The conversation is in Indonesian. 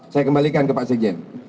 saya kembalikan ke pak sekjen